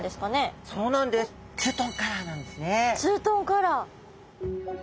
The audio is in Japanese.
ツートンカラー。